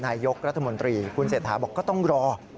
นายกรัฐมนตรีคุณเศรษฐาบอกก็ต้องรอ